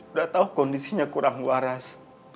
sudah tahu kondisinya kurang waras